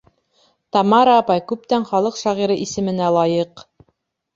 Тамара апай күптән халыҡ шағиры исеменә лайыҡ.